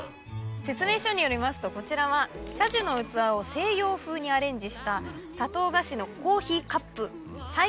説明書によりますとこちらは茶寿器を西洋風にアレンジした砂糖菓子のコーヒーカップ。